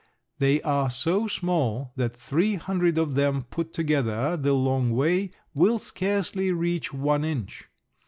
They are so small that three hundred of them put together the long way will scarcely reach one inch.